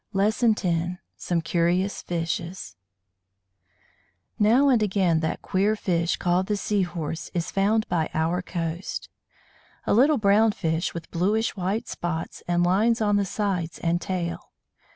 LESSON X SOME CURIOUS FISHES Now and again that queer fish called the Sea horse is found by our coast; a little brown fish, with bluish white spots and lines on the sides and tail.